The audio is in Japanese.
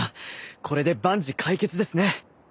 これで万事解決ですね。